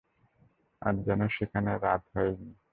আজ যেন সেখানে রাতই হয়নি।